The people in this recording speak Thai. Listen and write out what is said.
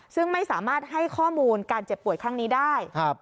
ซึ่งไม่สามารถให้ข้อมูลการเจ็บป่วยครั้งนี้ได้